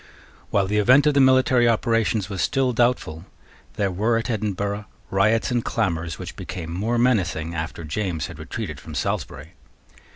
While the event of the military operations was still doubtful, there were at Edinburgh riots and clamours which became more menacing after James had retreated from Salisbury.